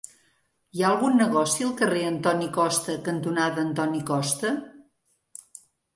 Hi ha algun negoci al carrer Antoni Costa cantonada Antoni Costa?